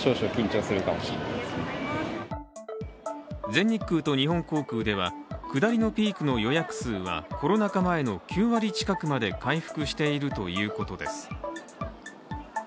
全日空と日本航空では下りのピークの予約数はコロナ禍前の９割近くまで回復しているということです。